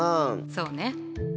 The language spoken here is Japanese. そうね。